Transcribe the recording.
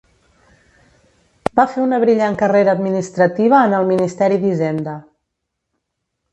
Va fer una brillant carrera administrativa en el ministeri d'Hisenda.